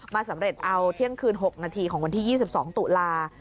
สำเร็จเอาเที่ยงคืน๖นาทีของวันที่๒๒ตุลา